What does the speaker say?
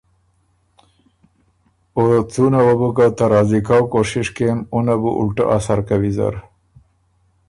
او څُونه وه که ته راضی کؤ کوشش کېم اُنه بُو اُلټۀ اثر کوی زر۔